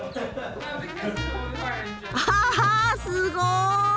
あすごい！